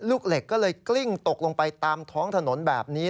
ลูกเหล็กก็เลยกลิ้งตกลงไปตามท้องถนนแบบนี้